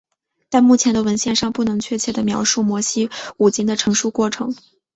但目前的文献尚不能确切地描述摩西五经的成书过程。